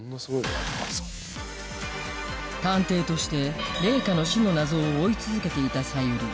探偵として玲香の死の謎を追い続けていたさゆり